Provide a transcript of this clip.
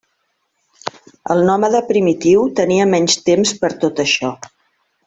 El nòmada primitiu tenia menys temps per tot això.